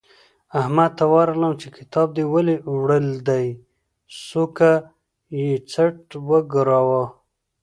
احمد ته ورغلم چې کتاب دې ولې وړل دی؛ سوکه یې څټ وګاراوو.